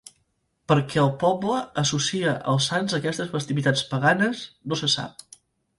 Per què el poble associa els sants a aquestes festivitats paganes no se sap.